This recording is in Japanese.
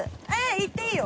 行っていいよ。